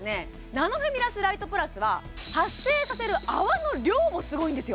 ナノフェミラスライトプラスは発生させる泡の量もすごいんですよ